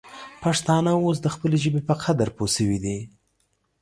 پښتانه اوس د خپلې ژبې په قدر پوه سوي دي.